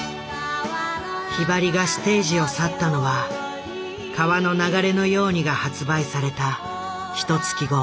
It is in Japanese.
ひばりがステージを去ったのは「川の流れのように」が発売されたひと月後。